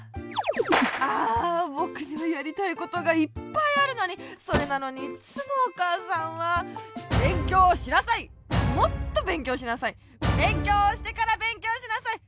ああぼくにはやりたいことがいっぱいあるのにそれなのにいっつもおかあさんは「べんきょうしなさい！もっとべんきょうしなさい！べんきょうしてからべんきょうしなさい！」。